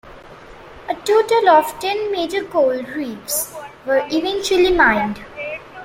A total of ten major gold reefs were eventually mined.